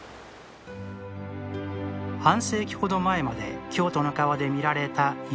半世紀ほど前まで京都の川で見られた友禅流しです。